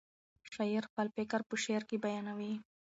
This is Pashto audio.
شاعر خپل فکر په شعر کې بیانوي.